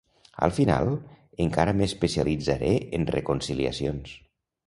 Al final, encara m'especialitzaré en reconciliacions.